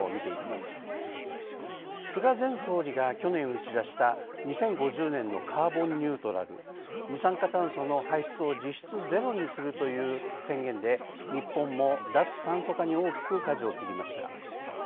菅前総理が去年打ち出した２０５０年のカーボンニュートラル二酸化炭素の排出を実質ゼロにするという宣言で日本も脱炭素化に大きくかじを切りました。